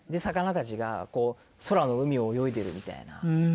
魚たちがこう空の海を泳いでるみたいな。